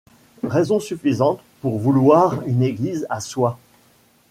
Raison suffisante pour vouloir une église à soi.